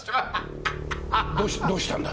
どどうしたんだ？